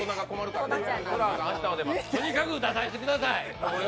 とにかく出させてください。